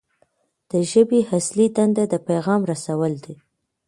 د ژبې اصلي دنده د پیغام رسول دي.